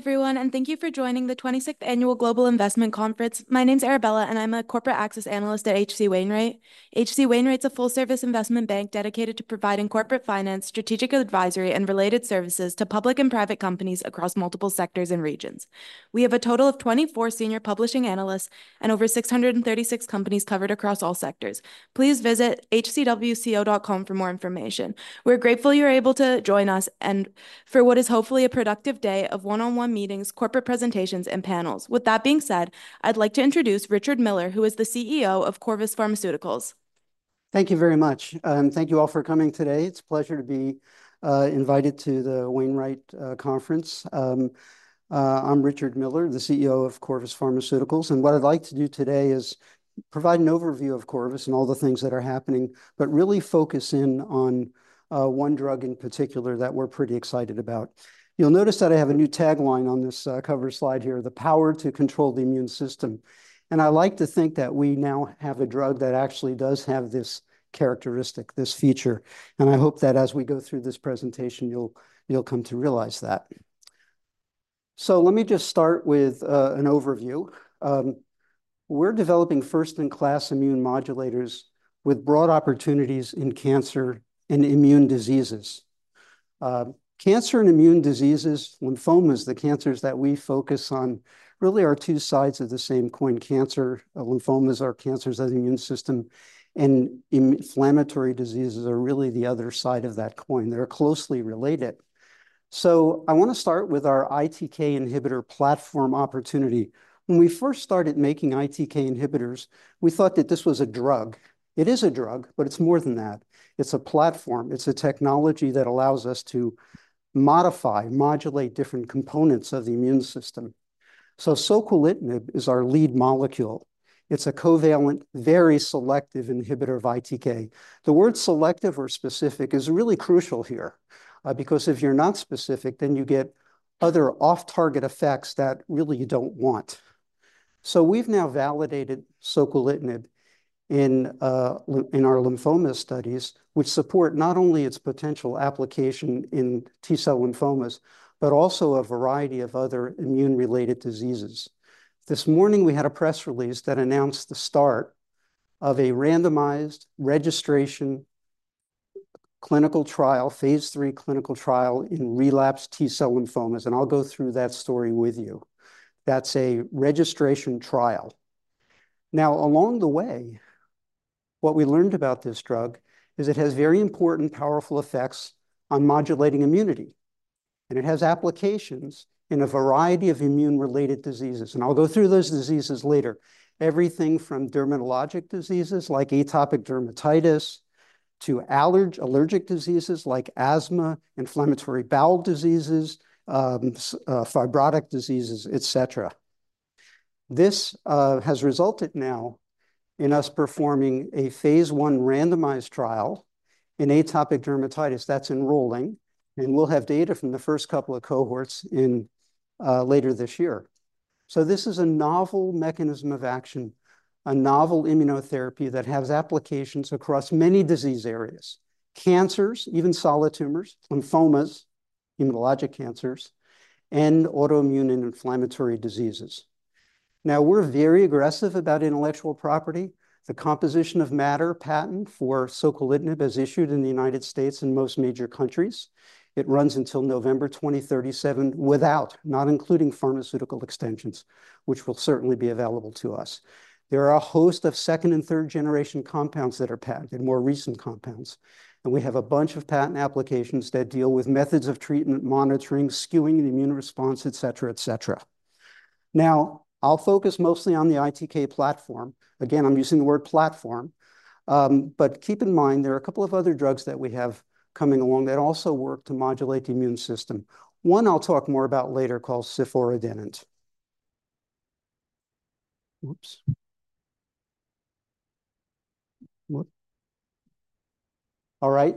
Hi, everyone, and thank you for joining the 26th Annual Global Investment Conference. My name's Arabella, and I'm a corporate access analyst at H.C. Wainwright. H.C. Wainwright's a full-service investment bank dedicated to providing corporate finance, strategic advisory, and related services to public and private companies across multiple sectors and regions. We have a total of 24 senior publishing analysts and over 636 companies covered across all sectors. Please visit hcwco.com for more information. We're grateful you're able to join us, and for what is hopefully a productive day of one-on-one meetings, corporate presentations, and panels. With that being said, I'd like to introduce Richard Miller, who is the CEO of Corvus Pharmaceuticals. Thank you very much. Thank you all for coming today. It's a pleasure to be invited to the Wainwright Conference. I'm Richard Miller, the CEO of Corvus Pharmaceuticals, and what I'd like to do today is provide an overview of Corvus and all the things that are happening, but really focus in on one drug in particular that we're pretty excited about. You'll notice that I have a new tagline on this cover slide here: The power to control the immune system, and I like to think that we now have a drug that actually does have this characteristic, this feature, and I hope that as we go through this presentation, you'll, you'll come to realize that, so let me just start with an overview. We're developing first-in-class immune modulators with broad opportunities in cancer and immune diseases. Cancer and immune diseases, lymphomas, the cancers that we focus on really are two sides of the same coin. Cancer, lymphomas are cancers of the immune system, and inflammatory diseases are really the other side of that coin. They're closely related. So I wanna start with our ITK inhibitor platform opportunity. When we first started making ITK inhibitors, we thought that this was a drug. It is a drug, but it's more than that. It's a platform. It's a technology that allows us to modify, modulate different components of the immune system. So soquelitinib is our lead molecule. It's a covalent, very selective inhibitor of ITK. The word selective or specific is really crucial here, because if you're not specific, then you get other off-target effects that really you don't want. So we've now validated soquelitinib in our lymphoma studies, which support not only its potential application in T-cell lymphomas, but also a variety of other immune-related diseases. This morning, we had a press release that announced the start of a randomized registration clinical trial, phase III clinical trial in relapsed T-cell lymphomas, and I'll go through that story with you. That's a registration trial. Now, along the way, what we learned about this drug is it has very important, powerful effects on modulating immunity, and it has applications in a variety of immune-related diseases, and I'll go through those diseases later. Everything from dermatologic diseases like atopic dermatitis to allergic diseases like asthma, inflammatory bowel diseases, fibrotic diseases, et cetera. This has resulted now in us performing a phase I randomized trial in atopic dermatitis that's enrolling, and we'll have data from the first couple of cohorts in later this year. So this is a novel mechanism of action, a novel immunotherapy that has applications across many disease areas: cancers, even solid tumors, lymphomas, hematologic cancers, and autoimmune and inflammatory diseases. Now, we're very aggressive about intellectual property. The composition of matter patent for soquelitinib is issued in the United States and most major countries. It runs until November 2037, without, not including pharmaceutical extensions, which will certainly be available to us. There are a host of second- and third-generation compounds that are patent and more recent compounds, and we have a bunch of patent applications that deal with methods of treatment, monitoring, skewing the immune response, et cetera, et cetera. Now, I'll focus mostly on the ITK platform. Again, I'm using the word platform, but keep in mind there are a couple of other drugs that we have coming along that also work to modulate the immune system. One I'll talk more about later, called ciforadenant. This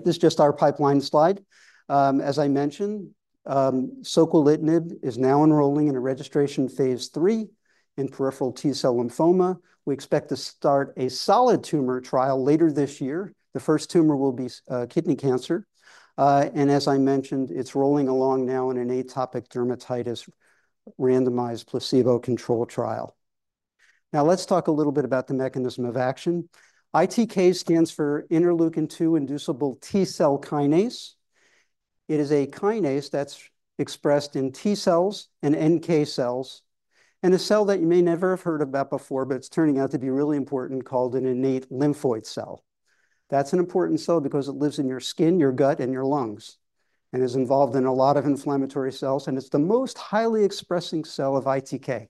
is just our pipeline slide. As I mentioned, soquelitinib is now enrolling in a registration phase III in peripheral T-cell lymphoma. We expect to start a solid tumor trial later this year. The first tumor will be kidney cancer, and as I mentioned, it's rolling along now in an atopic dermatitis randomized placebo-controlled trial. Now, let's talk a little bit about the mechanism of action. ITK stands for Interleukin-2-inducible T-cell kinase. It is a kinase that's expressed in T-cells and NK cells, and a cell that you may never have heard about before, but it's turning out to be really important, called an innate lymphoid cell. That's an important cell because it lives in your skin, your gut, and your lungs, and is involved in a lot of inflammatory cells, and it's the most highly expressing cell of ITK.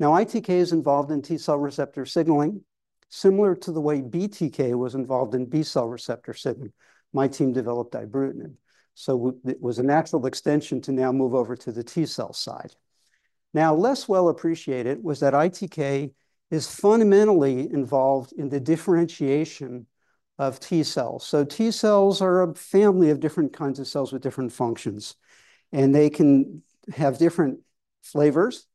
Now, ITK is involved in T-cell receptor signaling, similar to the way BTK was involved in B-cell receptor signaling. My team developed ibrutinib, so it was a natural extension to now move over to the T-cell side. Now, less well appreciated was that ITK is fundamentally involved in the differentiation of T-cells. So T-cells are a family of different kinds of cells with different functions, and they can have different flavors.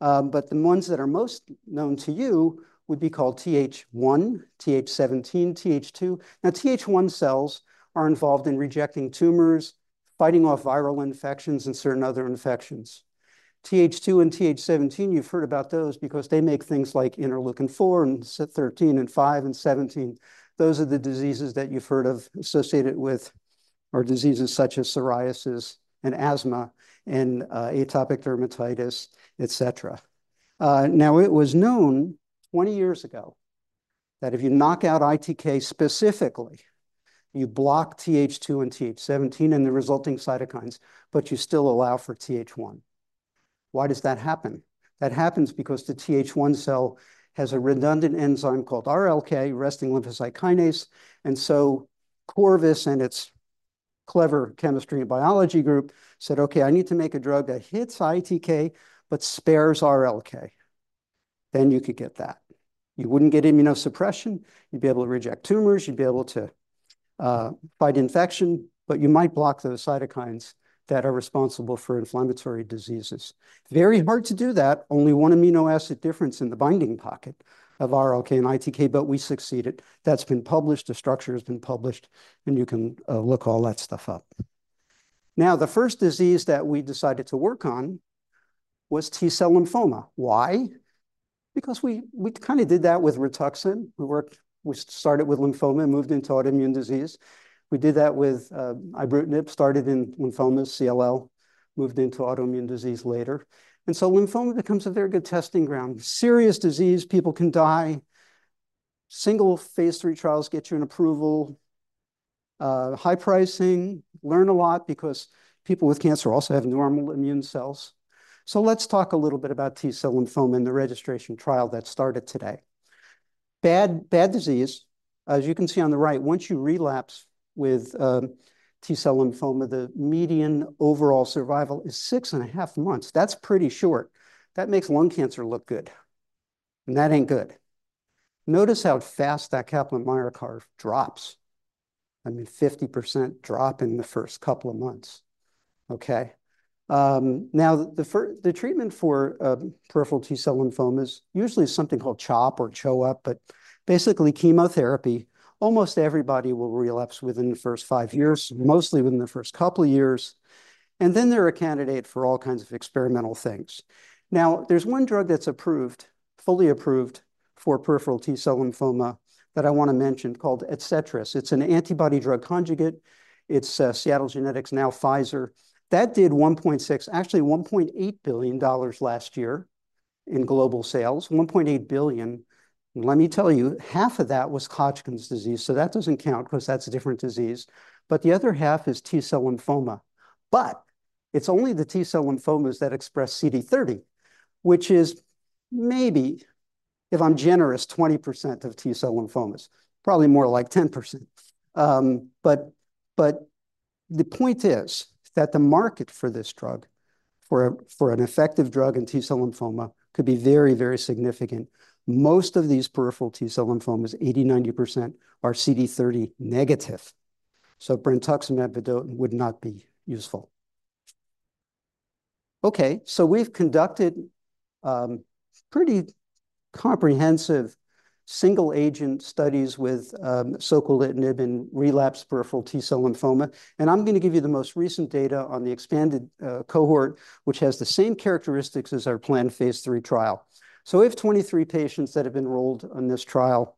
But the ones that are most known to you would be called TH1, TH17, TH2. Now, TH1 cells are involved in rejecting tumors, fighting off viral infections, and certain other infections. TH2 and TH17, you've heard about those because they make things like Interleukin-4 and 13 and 5 and 17. Those are the diseases that you've heard of associated with, or diseases such as psoriasis and asthma and atopic dermatitis, etc. Now, it was known twenty years ago that if you knock out ITK specifically, you block TH2 and TH17 and the resulting cytokines, but you still allow for TH1. Why does that happen? That happens because the TH1 cell has a redundant enzyme called Rlk, resting lymphocyte kinase. Corvus and its clever chemistry and biology group said, "Okay, I need to make a drug that hits ITK but spares Rlk." Then you could get that. You wouldn't get immunosuppression, you'd be able to reject tumors, you'd be able to fight infection, but you might block those cytokines that are responsible for inflammatory diseases. Very hard to do that. Only one amino acid difference in the binding pocket of Rlk and ITK, but we succeeded. That's been published, the structure has been published, and you can look all that stuff up. Now, the first disease that we decided to work on was T-cell lymphoma. Why? Because we kinda did that with Rituxan. We worked. We started with lymphoma and moved into autoimmune disease. We did that with ibrutinib, started in lymphomas, CLL, moved into autoimmune disease later. And so lymphoma becomes a very good testing ground. Serious disease, people can die. Single phase III trials get you an approval, high pricing. Learn a lot because people with cancer also have normal immune cells. So let's talk a little bit about T-cell lymphoma and the registration trial that started today. Bad, bad disease. As you can see on the right, once you relapse with T-cell lymphoma, the median overall survival is six and a half months. That's pretty short. That makes lung cancer look good, and that ain't good. Notice how fast that Kaplan-Meier curve drops. I mean, 50% drop in the first couple of months. Okay, now, the treatment for peripheral T-cell lymphoma is usually something called CHOP or CHOEP, but basically chemotherapy. Almost everybody will relapse within the first five years, mostly within the first couple of years, and then they're a candidate for all kinds of experimental things. Now, there's one drug that's approved, fully approved for peripheral T-cell lymphoma that I wanna mention, called Adcetris. It's an antibody-drug conjugate. It's Seattle Genetics, now Pfizer. That did $1.6 billion, actually $1.8 billion last year in global sales, $1.8 billion. Let me tell you, half of that was Hodgkin's disease, so that doesn't count 'cause that's a different disease, but the other half is T-cell lymphoma. But it's only the T-cell lymphomas that express CD30, which is maybe, if I'm generous, 20% of T-cell lymphomas, probably more like 10%. But the point is that the market for this drug, for an effective drug in T-cell lymphoma, could be very, very significant. Most of these peripheral T-cell lymphomas, 80%-90%, are CD30 negative, so brentuximab vedotin would not be useful. Okay, so we've conducted pretty comprehensive single-agent studies with soquelitinib in relapsed peripheral T-cell lymphoma, and I'm gonna give you the most recent data on the expanded cohort, which has the same characteristics as our planned phase III trial. So we have 23 patients that have enrolled on this trial.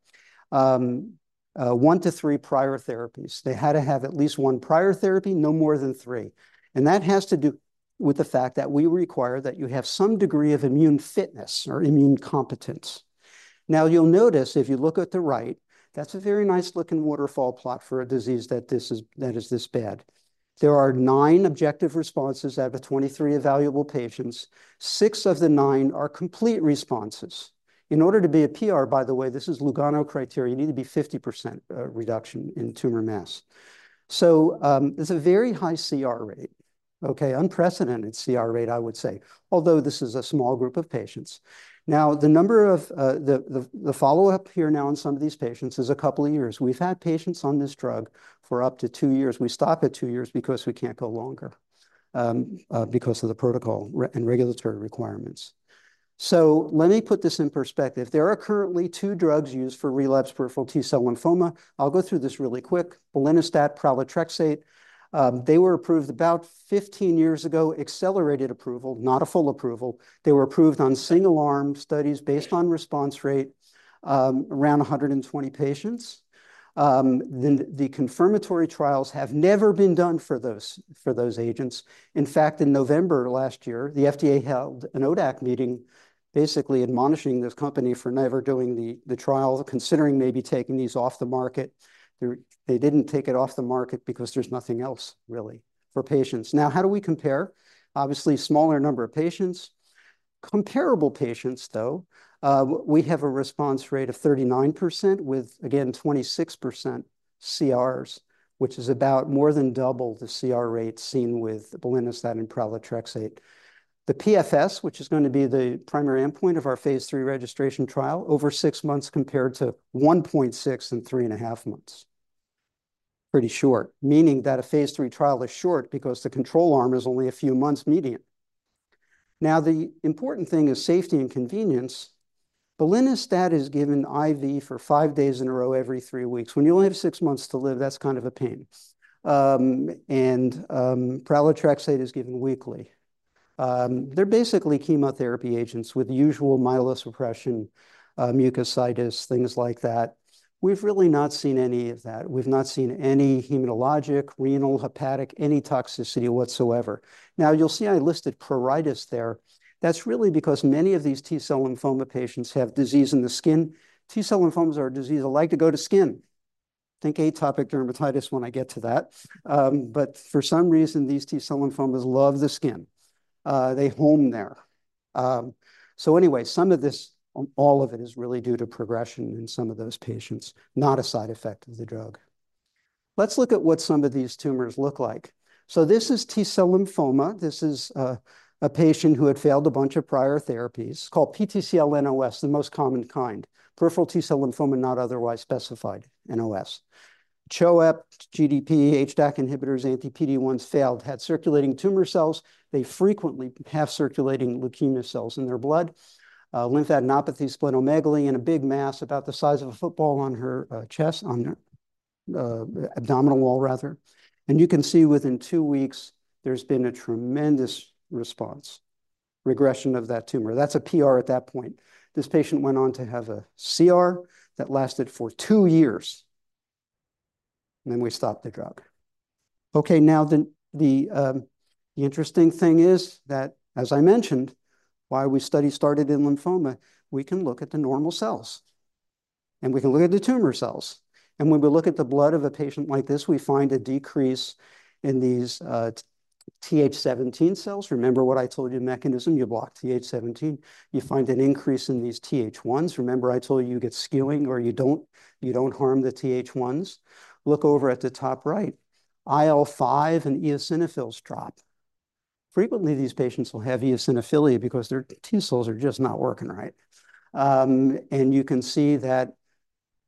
One to three prior therapies. They had to have at least one prior therapy, no more than three, and that has to do with the fact that we require that you have some degree of immune fitness or immune competence. Now, you'll notice, if you look at the right, that's a very nice-looking waterfall plot for a disease that is this bad. There are nine objective responses out of the 23 evaluable patients. Six of the nine are complete responses. In order to be a PR, by the way, this is Lugano criteria, you need to be 50% reduction in tumor mass. So, it's a very high CR rate, okay? Unprecedented CR rate, I would say, although this is a small group of patients. Now, the follow-up here now on some of these patients is a couple of years. We've had patients on this drug for up to two years. We stop at two years because we can't go longer because of the protocol and regulatory requirements. So let me put this in perspective. There are currently two drugs used for relapsed peripheral T-cell lymphoma. I'll go through this really quick. Belinostat, pralatrexate, they were approved about 15 years ago. Accelerated approval, not a full approval. They were approved on single-arm studies based on response rate, around 120 patients. The confirmatory trials have never been done for those agents. In fact, in November last year, the FDA held an ODAC meeting, basically admonishing the company for never doing the trial, considering maybe taking these off the market. They didn't take it off the market because there's nothing else really for patients. Now, how do we compare? Obviously, smaller number of patients. Comparable patients, though. We have a response rate of 39% with, again, 26% CRs, which is about more than double the CR rate seen with belinostat and pralatrexate. The PFS, which is going to be the primary endpoint of our phase III registration trial, over six months, compared to one point six and three and a half months. Pretty short, meaning that a phase III trial is short because the control arm is only a few months median. Now, the important thing is safety and convenience. Belinostat is given IV for five days in a row every three weeks. When you only have six months to live, that's kind of a pain. And pralatrexate is given weekly. They're basically chemotherapy agents with usual myelosuppression, mucositis, things like that. We've really not seen any of that. We've not seen any hematologic, renal, hepatic, any toxicity whatsoever. Now, you'll see I listed pruritus there. That's really because many of these T-cell lymphoma patients have disease in the skin. T-cell lymphomas are a disease that like to go to skin. Think atopic dermatitis when I get to that. But for some reason, these T-cell lymphomas love the skin. They home there. So anyway, some of this, all of it is really due to progression in some of those patients, not a side effect of the drug. Let's look at what some of these tumors look like. So this is T-cell lymphoma. This is a patient who had failed a bunch of prior therapies, called PTCL NOS, the most common kind, peripheral T-cell lymphoma not otherwise specified, NOS. CHOEP, GDP, HDAC inhibitors, anti-PD-1s failed, had circulating tumor cells. They frequently have circulating leukemia cells in their blood, lymphadenopathy, splenomegaly, and a big mass about the size of a football on her chest, on her abdominal wall, rather. You can see within two weeks, there's been a tremendous response, regression of that tumor. That's a PR at that point. This patient went on to have a CR that lasted for two years, and then we stopped the drug. Okay, now, the interesting thing is that, as I mentioned, why we study started in lymphoma, we can look at the normal cells, and we can look at the tumor cells. When we look at the blood of a patient like this, we find a decrease in these TH17 cells. Remember what I told you, mechanism, you block TH17. You find an increase in these TH1s. Remember I told you, you get skewing or you don't, you don't harm the TH1s. Look over at the top right. IL-5 and eosinophils drop. Frequently, these patients will have eosinophilia because their T-cells are just not working right. And you can see that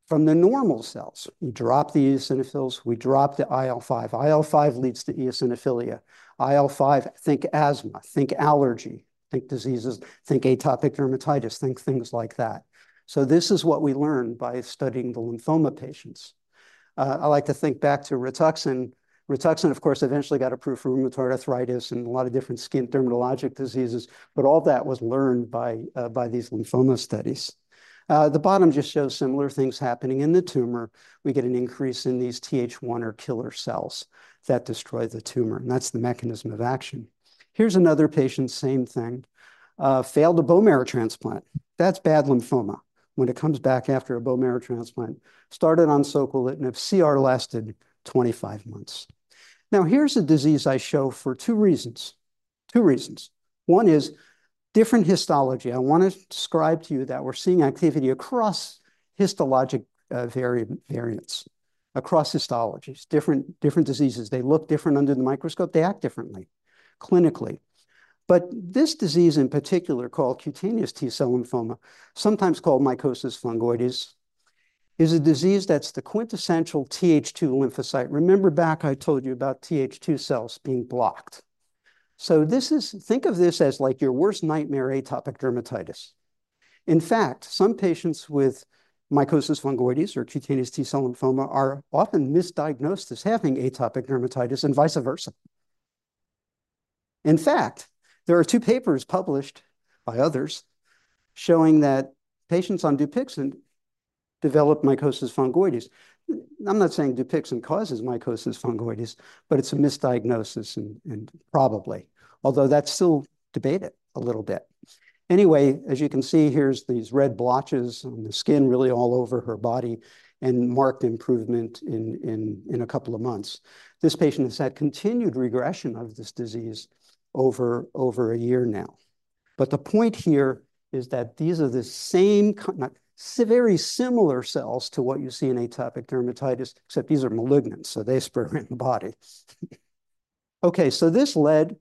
from the normal cells, we drop the eosinophils, we drop the IL-5. IL-5 leads to eosinophilia. IL-5, think asthma, think allergy, think diseases, think atopic dermatitis, think things like that. So this is what we learned by studying the lymphoma patients. I like to think back to Rituxan. Rituxan, of course, eventually got approved for rheumatoid arthritis and a lot of different skin dermatologic diseases, but all that was learned by these lymphoma studies. The bottom just shows similar things happening in the tumor. We get an increase in these TH1 or killer cells that destroy the tumor, and that's the mechanism of action. Here's another patient, same thing, failed a bone marrow transplant. That's bad lymphoma. When it comes back after a bone marrow transplant, started on soquelitinib, CR lasted twenty-five months. Now, here's a disease I show for two reasons. Two reasons. One is different histology. I wanna describe to you that we're seeing activity across histologic variants, across histologies, different diseases. They look different under the microscope. They act differently clinically. But this disease in particular, called cutaneous T-cell lymphoma, sometimes called mycosis fungoides, is a disease that's the quintessential TH2 lymphocyte. Remember back, I told you about TH2 cells being blocked. So this is, think of this as like your worst nightmare, atopic dermatitis. In fact, some patients with mycosis fungoides or cutaneous T-cell lymphoma are often misdiagnosed as having atopic dermatitis and vice versa. In fact, there are two papers published by others showing that patients on Dupixent develop mycosis fungoides. I'm not saying Dupixent causes mycosis fungoides, but it's a misdiagnosis and probably, although that's still debated a little bit. Anyway, as you can see, here's these red blotches on the skin, really all over her body, and marked improvement in a couple of months. This patient has had continued regression of this disease over a year now. But the point here is that these are the same very similar cells to what you see in atopic dermatitis, except these are malignant, so they spread in the body. Okay, so this led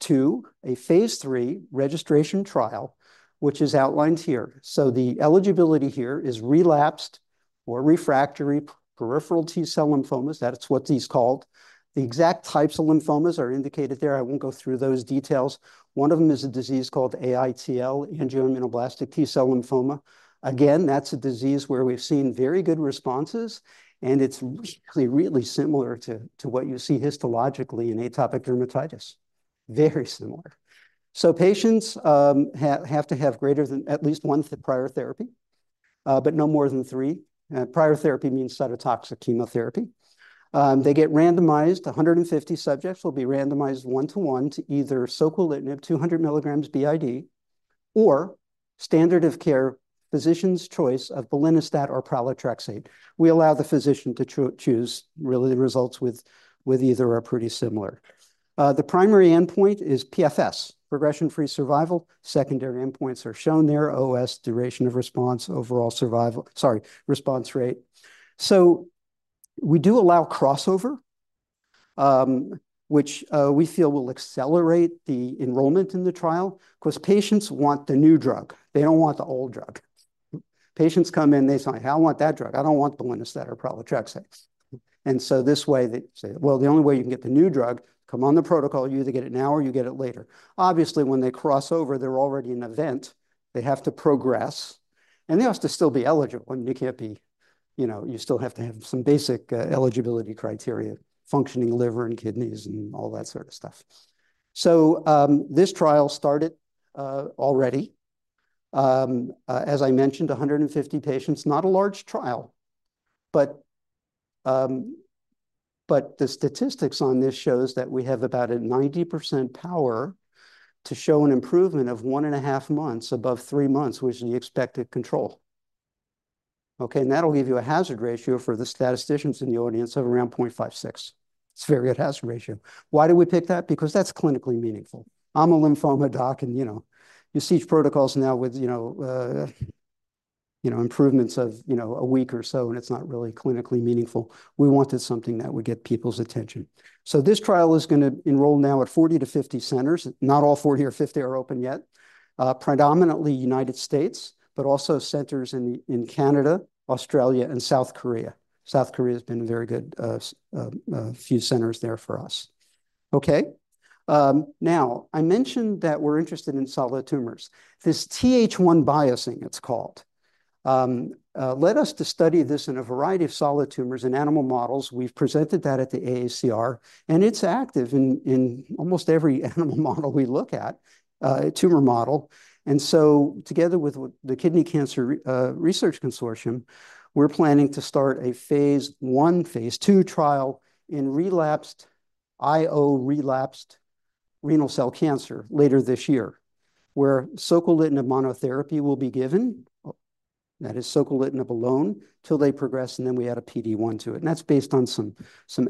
to a phase III registration trial, which is outlined here. So the eligibility here is relapsed or refractory peripheral T-cell lymphomas. That is what these called. The exact types of lymphomas are indicated there. I won't go through those details. One of them is a disease called AITL, angioimmunoblastic T-cell lymphoma. Again, that's a disease where we've seen very good responses, and it's really, really similar to what you see histologically in atopic dermatitis. Very similar. So patients have to have greater than at least one prior therapy, but no more than three. Prior therapy means cytotoxic chemotherapy. They get randomized. 150 subjects will be randomized one to one to either soquelitinib, 200 milligrams BID, or standard of care, physician's choice of belinostat or pralatrexate. We allow the physician to choose. Really, the results with either are pretty similar. The primary endpoint is PFS, progression-free survival. Secondary endpoints are shown there, OS, duration of response, overall survival, sorry, response rate. So we do allow crossover, which we feel will accelerate the enrollment in the trial. 'Cause patients want the new drug, they don't want the old drug. Patients come in, they say, "I want that drug. I don't want the ones that are pralatrexate." And so this way, they say, "Well, the only way you can get the new drug, come on the protocol. You either get it now or you get it later." Obviously, when they cross over, they're already an event. They have to progress, and they have to still be eligible, and you can't be. You still have to have some basic eligibility criteria, functioning liver and kidneys and all that sort of stuff. So, this trial started already. As I mentioned, 150 patients, not a large trial, but the statistics on this shows that we have about a 90% power to show an improvement of one and a half months above three months, which is the expected control. Okay, and that'll give you a hazard ratio for the statisticians in the audience of around 0.56. It's a very good hazard ratio. Why did we pick that? Because that's clinically meaningful. I'm a lymphoma doc, and, you know, you see protocols now with, you know, improvements of, you know, a week or so, and it's not really clinically meaningful. We wanted something that would get people's attention. So this trial is gonna enroll now at 40 to 50 centers. Not all 40 or 50 are open yet. Predominantly United States, but also centers in Canada, Australia, and South Korea. South Korea has been very good, a few centers there for us. Okay, now, I mentioned that we're interested in solid tumors. This TH1 biasing, it's called, led us to study this in a variety of solid tumors in animal models. We've presented that at the AACR, and it's active in almost every animal model we look at, tumor model. And so together with the Kidney Cancer Research Consortium, we're planning to start a phase I, phase II trial in relapsed, IO relapsed renal cell cancer later this year, where soquelitinib monotherapy will be given. That is soquelitinib alone till they progress, and then we add a PD-1 to it, and that's based on some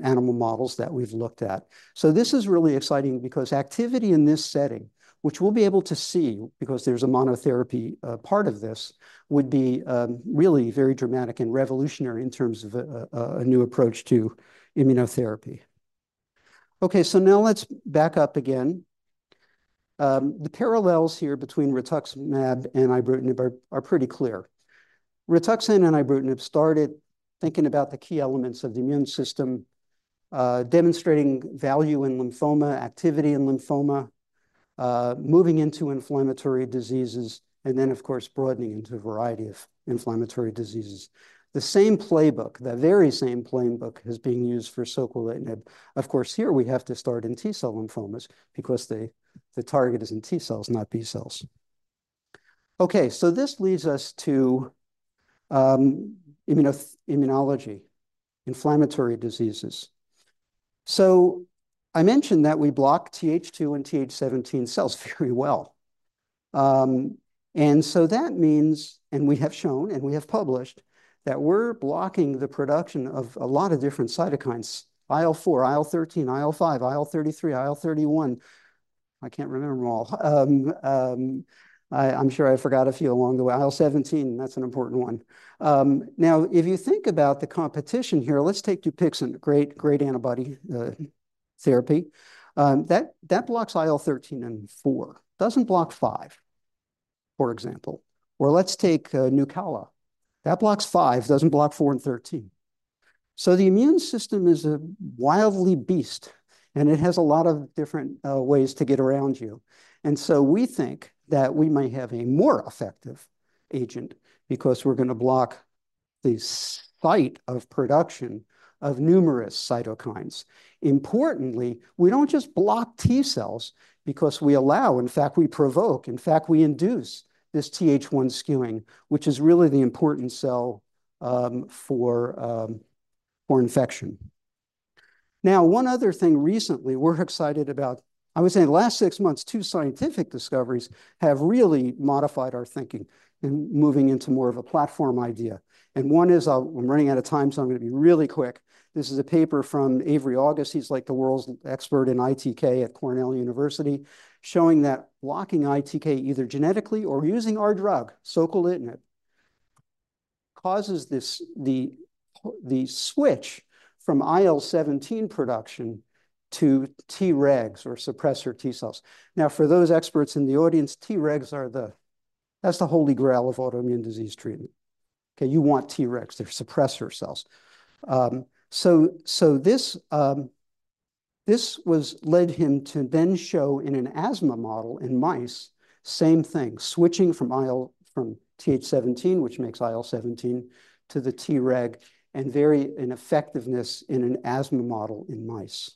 animal models that we've looked at. So this is really exciting because activity in this setting, which we'll be able to see, because there's a monotherapy part of this, would be really very dramatic and revolutionary in terms of a new approach to immunotherapy. Okay, so now let's back up again. The parallels here between rituximab and Ibrutinib are pretty clear. rituximab and ibrutinib started thinking about the key elements of the immune system, demonstrating value in lymphoma, activity in lymphoma, moving into inflammatory diseases, and then, of course, broadening into a variety of inflammatory diseases. The same playbook, the very same playbook, is being used for soquelitinib. Of course, here we have to start in T-cell lymphomas because the target is in T cells, not B cells. Okay, so this leads us to immunology, inflammatory diseases. So I mentioned that we block TH2 and TH17 cells very well. And so that means, and we have shown, and we have published, that we're blocking the production of a lot of different cytokines: IL-4, IL-13, IL-5, IL-33, IL-31. I can't remember them all. I'm sure I forgot a few along the way. IL-17, that's an important one. Now, if you think about the competition here, let's take Dupixent, a great, great antibody therapy. That blocks IL-13 and IL-4. Doesn't block IL-5, for example. Or let's take Nucala. That blocks IL-5, doesn't block IL-4 and IL-13. So the immune system is a wily beast, and it has a lot of different ways to get around you. And so we think that we might have a more effective agent because we're gonna block the site of production of numerous cytokines. Importantly, we don't just block T cells because we allow, in fact, we provoke, in fact, we induce this TH one skewing, which is really the important cell for infection. Now, one other thing recently we're excited about, I would say in the last six months, two scientific discoveries have really modified our thinking in moving into more of a platform idea. And one is, I'm running out of time, so I'm gonna be really quick. This is a paper from Avery August. He's like the world's expert in ITK at Cornell University, showing that blocking ITK, either genetically or using our drug, soquelitinib, causes this, the switch from IL-17 production to Tregs or suppressor T cells. Now, for those experts in the audience, Tregs are that's the holy grail of autoimmune disease treatment. Okay, you want Tregs. They're suppressor cells. So this led him to then show in an asthma model in mice, same thing, switching from IL-17, from TH17, which makes IL-17, to the Treg, and very effective in an asthma model in mice.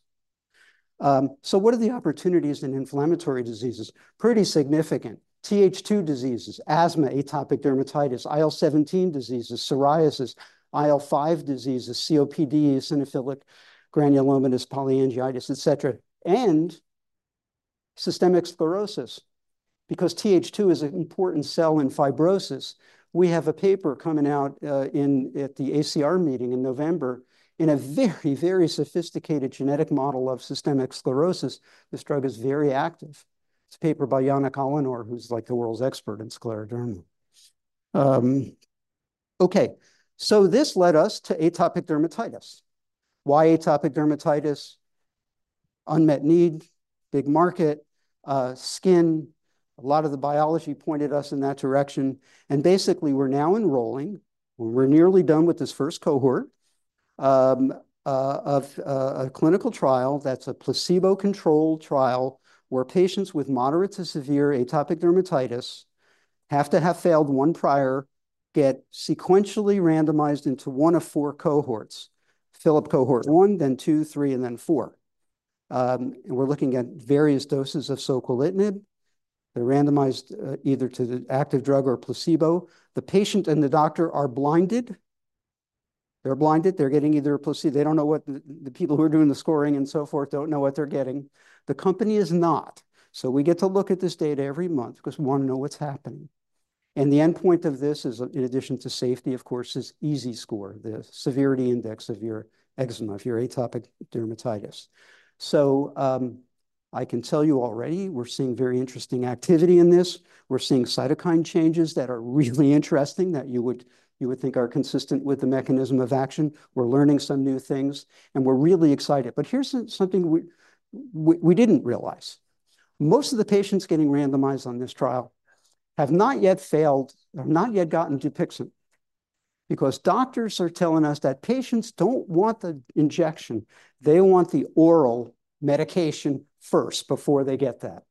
So what are the opportunities in inflammatory diseases? Pretty significant. TH2 diseases, asthma, atopic dermatitis, IL-17 diseases, psoriasis, IL-5 diseases, COPD, eosinophilic granulomatous polyangiitis, et cetera, and systemic sclerosis, because TH2 is an important cell in fibrosis. We have a paper coming out at the ACR meeting in November, in a very, very sophisticated genetic model of systemic sclerosis. This drug is very active. It's a paper by Joanne Kahlenberg, who's like the world's expert in scleroderma. Okay, so this led us to atopic dermatitis. Why atopic dermatitis? Unmet need, big market, skin. A lot of the biology pointed us in that direction, and basically, we're now enrolling. We're nearly done with this first cohort of a clinical trial that's a placebo-controlled trial, where patients with moderate to severe atopic dermatitis have to have failed one prior, get sequentially randomized into one of four cohorts. Fill up cohort one, then two, three, and then four. And we're looking at various doses of soquelitinib. They're randomized either to the active drug or placebo. The patient and the doctor are blinded. They're blinded. They're getting either a placebo. They don't know what the people who are doing the scoring and so forth don't know what they're getting. The company is not, so we get to look at this data every month 'cause we wanna know what's happening. The endpoint of this is, in addition to safety, of course, is EASI score, the severity index of your eczema, of your atopic dermatitis. So, I can tell you already, we're seeing very interesting activity in this. We're seeing cytokine changes that are really interesting, that you would think are consistent with the mechanism of action. We're learning some new things, and we're really excited. But here's something we didn't realize. Most of the patients getting randomized on this trial have not yet failed, have not yet gotten Dupixent. Because doctors are telling us that patients don't want the injection, they want the oral medication first before they get that.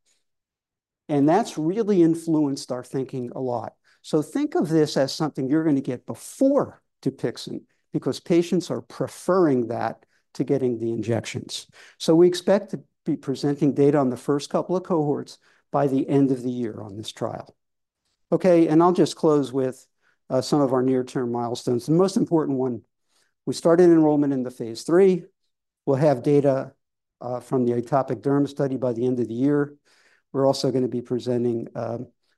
And that's really influenced our thinking a lot. So think of this as something you're gonna get before Dupixent, because patients are preferring that to getting the injections. So we expect to be presenting data on the first couple of cohorts by the end of the year on this trial. Okay, and I'll just close with some of our near-term milestones. The most important one, we started enrollment in the phase III. We'll have data from the atopic derm study by the end of the year. We're also gonna be presenting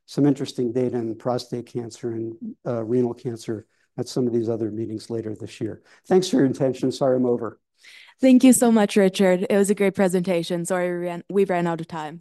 some interesting data in prostate cancer and renal cancer at some of these other meetings later this year. Thanks for your attention. Sorry, I'm over. Thank you so much, Richard. It was a great presentation. Sorry, we've run out of time.